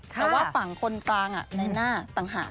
แต่ว่าฝั่งคนกลางในหน้าต่างหาก